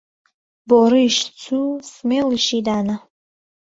بۆ ڕیش چوو سمێڵیشی دانا